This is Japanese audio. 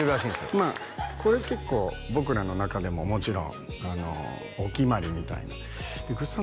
まあこれ結構僕らの中でももちろんお決まりみたいな「ぐっさん